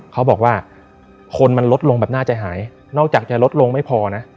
เขาบอกว่าคนมันลดลงแบบน่าจะหายนอกจากจะลดลงไม่พอนะ